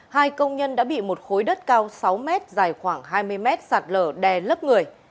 hai công nhân đã bị một khối đất cao sáu mét dài khoảng hai mươi mét sạt lở đè lấp người